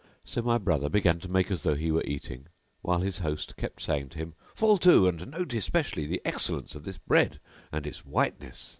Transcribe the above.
So my brother began to make as though he were eating whilst his host kept saying to him, "Fall to, and note especially the excellence of this bread and its whiteness!"